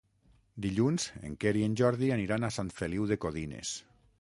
Dilluns en Quer i en Jordi aniran a Sant Feliu de Codines.